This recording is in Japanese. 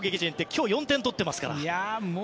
今日、４点取っていますから。